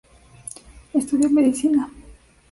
Estudió medicina.